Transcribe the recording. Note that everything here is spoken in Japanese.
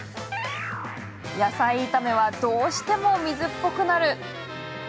野菜炒めは、どうしても水っぽく。